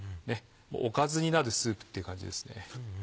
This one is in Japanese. おかずになるスープっていう感じですね。